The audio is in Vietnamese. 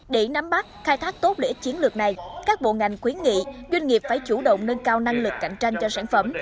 để nắm bắt khai thác tốt lễ chiến lược này các bộ ngành khuyến nghị doanh nghiệp phải chủ động nâng cao năng lực cạnh tranh cho sản phẩm